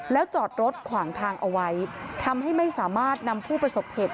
แล้วจอดรถขวางทางเอาไว้ทำให้ไม่สามารถนำผู้ประสบเหตุ